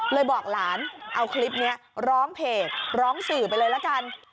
บอกหลานเอาคลิปนี้ร้องเพจร้องสื่อไปเลยละกัน